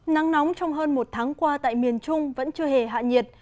nắng nóng trong hơn một tháng qua tại miền trung vẫn chưa hề hạ nhiệt